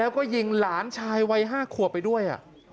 แล้วก็ยิงหลานชายวัย๕ขวบไปด้วย